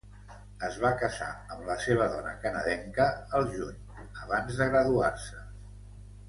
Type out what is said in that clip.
Es va casar amb la seva dona canadenca al juny, abans de graduar-se.